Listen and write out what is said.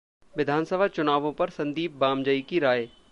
विधानसभा चुनावों पर संदीप बामजई की राय